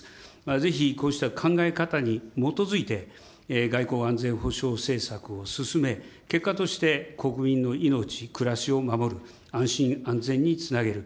ぜひこうした考え方に基づいて、外交・安全保障政策を進め、結果として、国民の命、暮らしを守る、安心・安全につなげる。